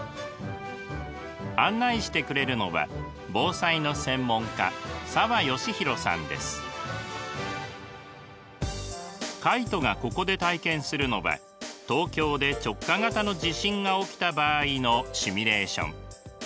案内してくれるのは防災の専門家カイトがここで体験するのは東京で直下型の地震が起きた場合のシミュレーション。